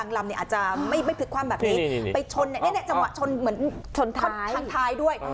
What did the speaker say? อาจจะไม่ผลิกความแบบนี้ไปชนแน่จังหวะชนเหมือนทางท้ายด้วย